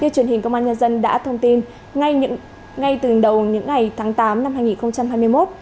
như truyền hình công an nhân dân đã thông tin ngay từ đầu những ngày tháng tám năm hai nghìn hai mươi một